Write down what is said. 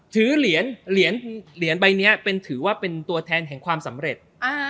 เหรียญใบนี้เป็นถือว่าเป็นตัวแทนแห่งความสำเร็จ